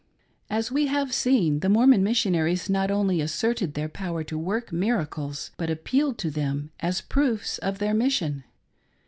As we have seen, the Mormon Missionaries not only asserted their power to work miracles, but appealed to them as proofs of their mission.